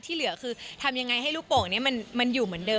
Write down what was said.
เหลือคือทำยังไงให้ลูกโป่งนี้มันอยู่เหมือนเดิม